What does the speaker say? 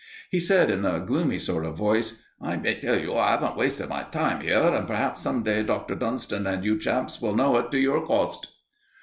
He said in a gloomy sort of voice: "I may tell you I haven't wasted my time here, and perhaps some day Doctor Dunston and you chaps will know it to your cost."